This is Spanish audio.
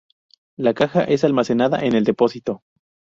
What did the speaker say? La caja es almacenada en el depósito.